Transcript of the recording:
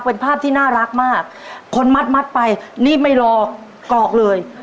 เป็นภาพที่น่ารักมากคนมัดมัดไปนี่ไม่รอกรอกเลย